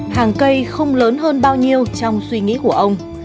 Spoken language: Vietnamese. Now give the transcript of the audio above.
hàng cây không lớn hơn bao nhiêu trong suy nghĩ của ông